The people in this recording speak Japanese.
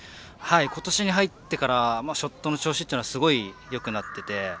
ことしに入ってからショットの調子というのがすごいよくなってて。